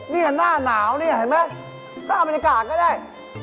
นี่หน้าหนาวนี่เห็นไหมหน้าบรรยากาศก็ได้